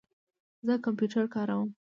زه کمپیوټر کاروم